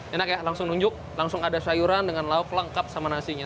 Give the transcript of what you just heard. enak ya langsung nunjuk langsung ada sayuran dengan lauk lengkap sama nasinya